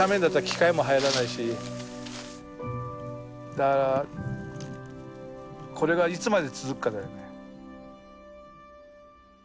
だからこれがいつまで続くかだよね。